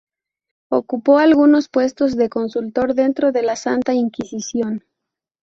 Ocupó algunos puestos de consultor dentro de la Santa Inquisición.